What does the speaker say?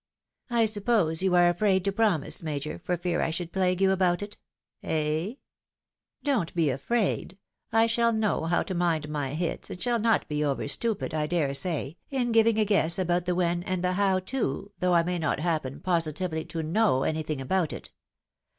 " I suppose you axe afraid to promise. Major, for fear I should plague you about it? Hey? Don't be afraid; I shall know how to mind my hits, and shall not be over stupid, I dare Bay, in giving a guess about the when and the how too, though RETURN TO THE OLD COUNTRY PLANNED. 19 I may not happen positively to know anything about it.